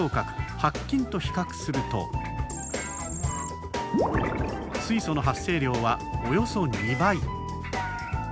白金と比較すると水素の発生量はおよそ２倍。